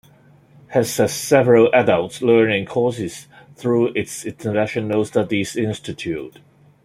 Hess has several adult learning courses through its International Studies Institute.